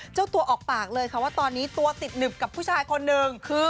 เจ้าตัวออกปากเลยค่ะว่าตอนนี้ตัวติดหนึบกับผู้ชายคนหนึ่งคือ